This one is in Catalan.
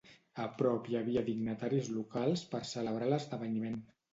A prop hi havia dignataris locals per celebrar l'esdeveniment.